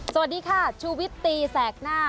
สวัสดีค่ะชูวิตตีแสกหน้า